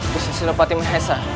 guci senopati menghiasa